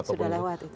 sudah lewat itu